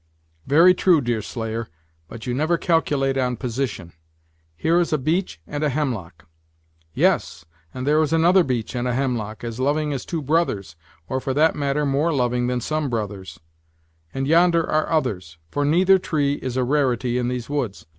"Very true, Deerslayer, but you never calculate on position. Here is a beech and a hemlock " "Yes, and there is another beech and a hemlock, as loving as two brothers, or, for that matter, more loving than some brothers; and yonder are others, for neither tree is a rarity in these woods.